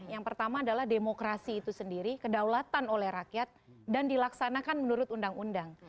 yang pertama adalah demokrasi itu sendiri kedaulatan oleh rakyat dan dilaksanakan menurut undang undang